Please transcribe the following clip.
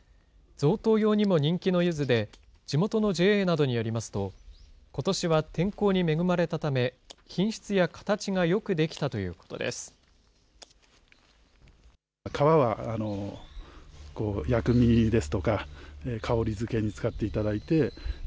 贈答用にも人気のゆずで、地元のＪＡなどによりますと、ことしは天候に恵まれたため、品質や形がよくできたということです。